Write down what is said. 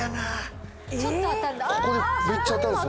ここめっちゃ当たるんです。